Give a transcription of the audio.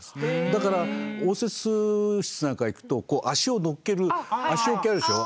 だから応接室なんか行くとこう足を乗っける足置きあるでしょ。